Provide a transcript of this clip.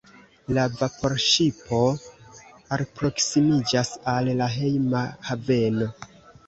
La vaporŝipo alproksimiĝas al la hejma haveno.